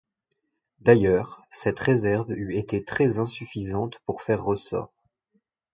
D’ailleurs, cette réserve eût été très-insuffisante pour faire ressort.